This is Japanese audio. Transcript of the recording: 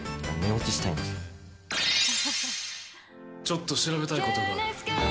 ちょっと調べたいことがある。